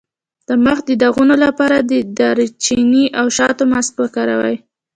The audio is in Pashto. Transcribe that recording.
د مخ د دانو لپاره د دارچینی او شاتو ماسک وکاروئ